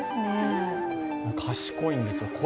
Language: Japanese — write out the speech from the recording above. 賢いんですよ。